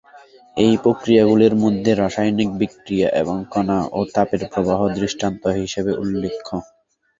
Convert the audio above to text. এই প্রক্রিয়াগুলির মধ্যে রাসায়নিক বিক্রিয়া এবং কণা ও তাপের প্রবাহ দৃষ্টান্ত হিসেবে উল্লেখ্য।